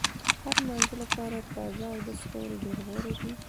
د هر مانځه لپاره تازه اودس کول ډېر غوره دي.